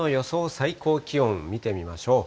最高気温、見てみましょう。